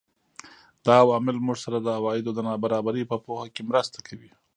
دا عوامل موږ سره د عوایدو د نابرابرۍ په پوهه کې مرسته کوي